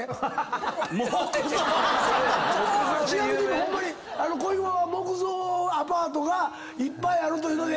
ホンマに小岩は木造アパートがいっぱいあるというので。